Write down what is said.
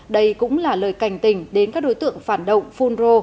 đây cũng là lời cảnh tình đến các đối tượng phản động phun rô